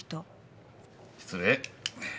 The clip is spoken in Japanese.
失礼。